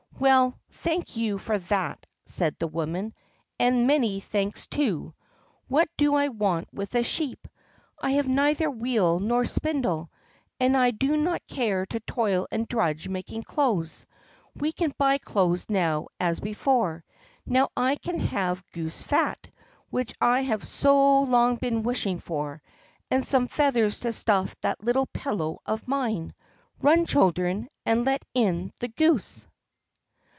"Well, thank you for that!" said the woman; "and many thanks, too! What do I want with a sheep? I have neither wheel nor spindle, and I do not care either to toil and drudge making clothes; we can buy clothes now as before. Now I can have goose fat, which I have so long been wishing for, and some feathers to stuff that little pillow of mine. Run, children, and let in the goose."